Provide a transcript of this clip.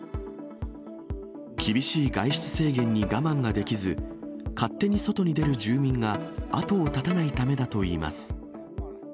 厳しい外出制限に我慢ができず、勝手に外に出る住民が後を絶たないためだといいます。